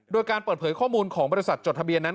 โดยการเปิดเผยข้อมูลของบริษัทจดทะเบียนนั้น